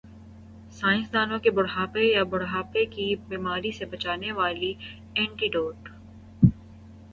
سائنسدانوں نےبڑھاپے یا بڑھاپے کی بیماریوں سے بچانے والی اینٹی بائیوٹک